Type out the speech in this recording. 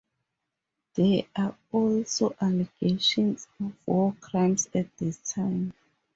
There are also allegations of war crimes at this time.